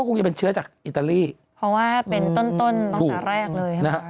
ก็คงจะเป็นเชื้อจากอิตาลีเพราะว่าเป็นต้นตั้งแต่แรกเลย